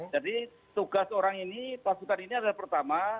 jadi tugas orang ini pasukan ini adalah pertama